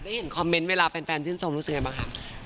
ได้เห็นคอมเม้นท์เวลาแฟนยื่นทรงรู้สึกยังไงบ้างครับ